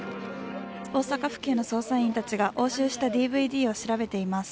大阪府警の捜査員たちが押収したＤＶＤを調べています。